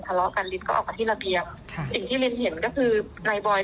ก็ตั้งคลิปเลยค่ะ